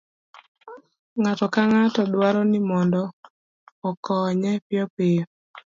ng'ato ka ng'ato dwaro ni mondo okonye piyopiyo